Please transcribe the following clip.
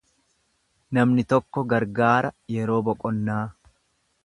Namni tokko gargaara yeroo boqonnaa.